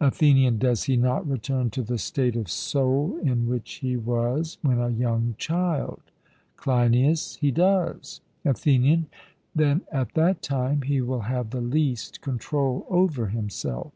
ATHENIAN: Does he not return to the state of soul in which he was when a young child? CLEINIAS: He does. ATHENIAN: Then at that time he will have the least control over himself?